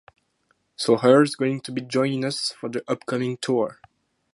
So Earl's going to be joining us for the upcoming tour.